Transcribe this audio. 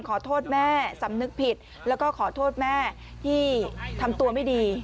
ขอโทษแม่สำนึกผิดแล้วก็ขอโทษแม่ที่ทำตัวไม่ดี